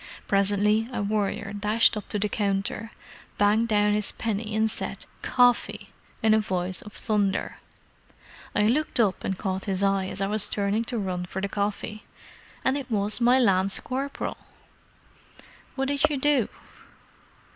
Presently a warrior dashed up to the counter, banged down his penny and said 'Coffee!' in a voice of thunder. I looked up and caught his eye as I was turning to run for the coffee—and it was my lance corporal!" "What did you do?"